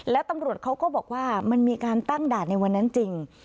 และตำรวจเขาก็บอกว่ามันมีการตั้งด่านในวันนั้นจริง